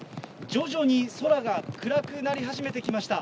徐々に空が暗くなり始めてきました。